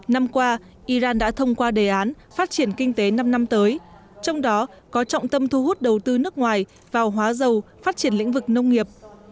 năm qua iran đã thông qua đề án phát triển kinh tế năm năm tới trong đó có trọng tâm thu hút đầu tư nước ngoài vào hóa dầu phát triển lĩnh vực nông nghiệp